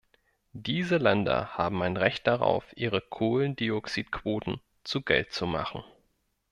Diese Länder haben ein Recht darauf, ihre Kohlendioxidquoten zu Geld zu machen.